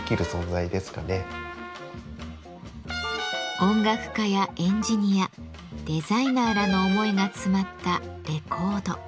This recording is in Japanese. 音楽家やエンジニアデザイナーらの思いが詰まったレコード。